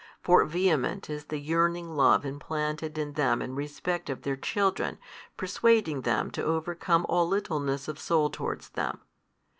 For vehement is the yearning love implanted in them in respect of their children persuading them to overcome all littleness of soul towards them.